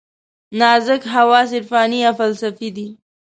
نازک حواس عرفاني یا فلسفي دي.